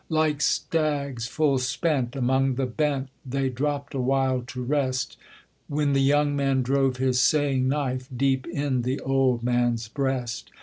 Like stags full spent, among the bent They dropped a while to rest; When the young man drove his saying knife Deep in the old man's breast.